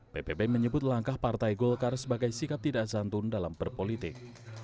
ppp menyebut langkah partai golkar sebagai sikap tidak santun dalam berpolitik